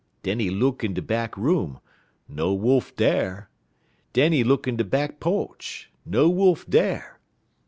Den he look in de back room; no Wolf dar. Den he look in de back po'ch; no Wolf dar.